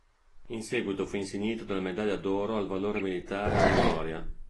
In seguito fu insignito della medaglia d'oro al valore militare alla memoria.